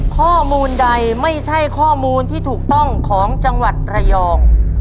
ข้อมูลใดไม่ใช่ข้อมูลที่ถูกต้องของจังหวัดระยอง